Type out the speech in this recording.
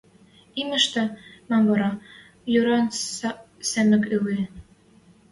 Имештӹ, мам вара, юран Семӹк ыльы.